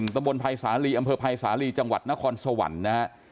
ตะบนภัยสาลีอำเภอภัยสาลีจังหวัดนครสวรรค์นะฮะ